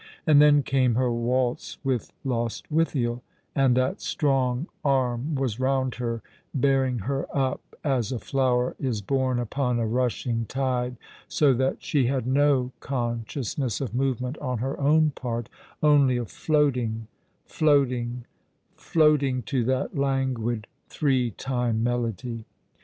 And then came her vraltz with Lostwithiel, and that strong arm was round her, bearing her up as a flower is borne upon a rushing tide, so that she had no consciousness of movement on her own part, only of floating, floating, floating, to that languid three time melody.